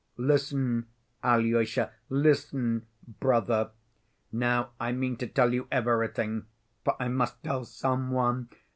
Listen, Alyosha, listen, brother! Now I mean to tell you everything, for I must tell some one.